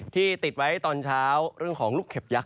ติดไว้ตอนเช้าเรื่องของลูกเข็บยักษ